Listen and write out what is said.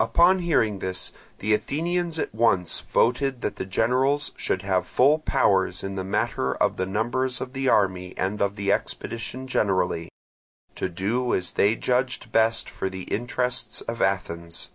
Upon hearing this the Athenians at once voted that the generals should have full powers in the matter of the numbers of the army and of the expedition generally, to do as they judged best for the interests of Athens.